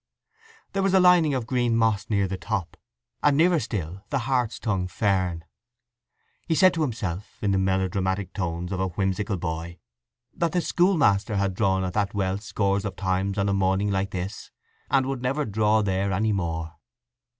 There was a lining of green moss near the top, and nearer still the hart's tongue fern. He said to himself, in the melodramatic tones of a whimsical boy, that the schoolmaster had drawn at that well scores of times on a morning like this, and would never draw there any more.